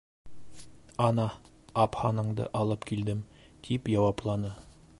Ана, апһыныңды алып килдем, — тип яуапланы.